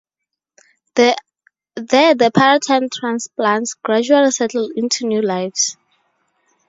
There the paratime transplants gradually settle into new lives.